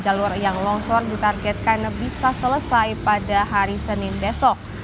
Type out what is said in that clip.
jalur yang longsor ditargetkan bisa selesai pada hari senin besok